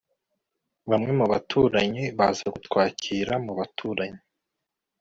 Bamwe mu baturanyi baza kutwakira mu baturanyi